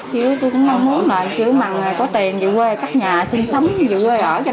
chứ tôi cũng mong muốn là kiểu mặn có tiền dự quê các nhà sinh sống dự quê ở cho nó ổn định với